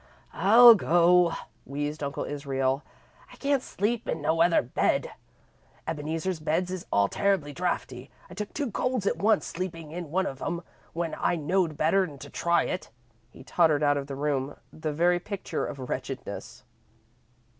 "I'll go," wheezed Uncle Israel. "I can't sleep in no other bed. Ebeneezer's beds is all terrible drafty, and I took two colds at once sleepin' in one of 'em when I knowed better 'n to try it." He tottered out of the room, the very picture of wretchedness.